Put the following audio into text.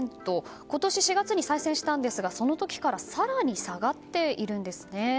今年４月に再選したんですがその時から更に下がっているんですね。